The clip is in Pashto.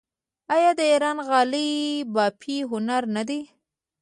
آیا د ایران غالۍ بافي هنر نه دی؟